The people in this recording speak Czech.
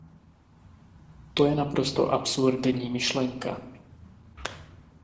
To je naprosto absurdní myšlenka.